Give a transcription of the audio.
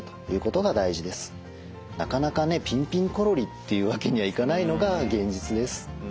なかなかピンピンコロリっていうわけにはいかないのが現実です。